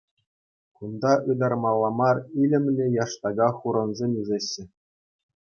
Кунта ытармалла мар илемлӗ яштака хурӑнсем ӳсеҫҫӗ.